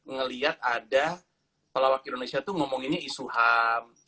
ngelihat ada pelawak indonesia tuh ngomonginnya isu ham